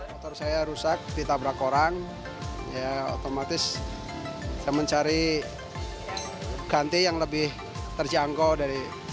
motor saya rusak ditabrak orang ya otomatis saya mencari ganti yang lebih terjangkau dari